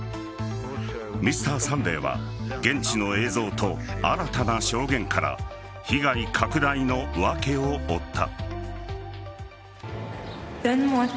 Ｍｒ．サンデーは現地の映像と新たな証言から被害拡大の訳を追った。